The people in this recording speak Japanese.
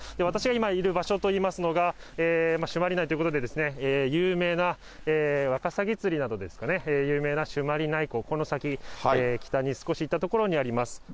私が今いる場所といいますのが、朱鞠内ということでですね、有名なワカサギ釣りなどですかね、有名な朱鞠内湖、この先、北に少し行った所にあります。